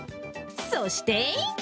そして。